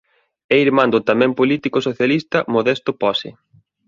É irmán do tamén político socialista Modesto Pose.